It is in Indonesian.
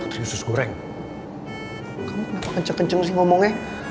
putri usus goreng kamu kenapa kenceng kenceng sih ngomongnya